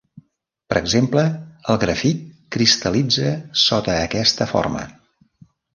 Per exemple, el grafit cristal·litza sota aquesta forma.